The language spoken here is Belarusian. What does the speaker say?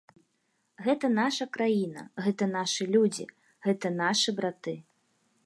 Гэта наша краіна, гэта нашы людзі, гэта нашы браты.